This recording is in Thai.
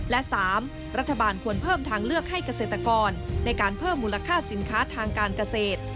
และ๓รัฐบาลควรเพิ่มทางเลือกให้เกษตรกรในการเพิ่มมูลค่าสินค้าทางการเกษตร